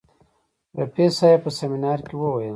رفیع صاحب په سیمینار کې وویل.